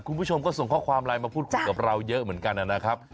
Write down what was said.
คุณผู้ชมก็ส่งข้อความไลน์มาพูดคุยกับเราเยอะเหมือนกันนะครับ